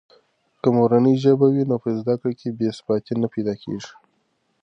که مورنۍ ژبه وي نو په زده کړه کې بې ثباتي نه پیدا کېږي.